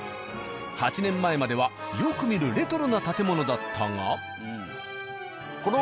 ８年前まではよく見るレトロな建物だったが。